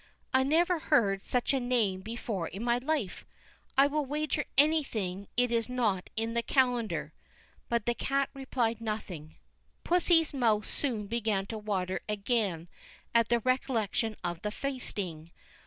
I never heard such a name before in my life; I will wager anything it is not in the calendar," but the cat replied nothing. Pussy's mouth soon began to water again at the recollection of the feasting.